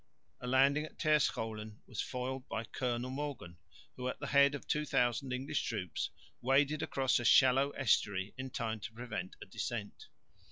A landing at Terscholen was foiled by Colonel Morgan, who, at the head of 2000 English troops, waded across a shallow estuary in time to prevent a descent.